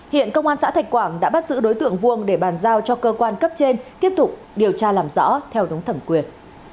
hiện công an xã thạch quảng đã bắt giữ đối tượng vuông để bàn giao cho cơ quan cấp trên tiếp tục điều tra làm rõ theo đúng thẩm quyền